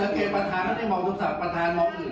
ผมสังเกตประธานที่มองโทษศัพท์ประธานมองอย่างอื่น